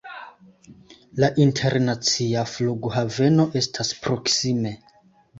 La internacia flughaveno estas proksime.